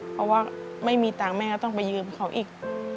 เพราะว่าไม่มีตังค์แม่ก็ต้องไปยืมเขาอีก